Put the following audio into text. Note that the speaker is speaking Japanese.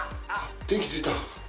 電気ついた。